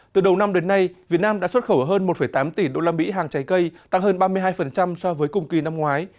từ đầu năm đến nay việt nam đã xuất khẩu hơn một tám tỷ usd hàng trái cây tăng hơn ba mươi hai so với cùng kỳ năm ngoái